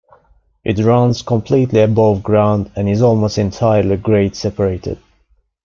It runs completely above ground and is almost entirely grade-separated.